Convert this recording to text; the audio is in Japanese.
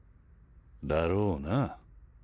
だろうな。